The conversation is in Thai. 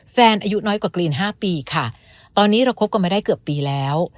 อายุน้อยกว่ากรีนห้าปีค่ะตอนนี้เราคบกันมาได้เกือบปีแล้ว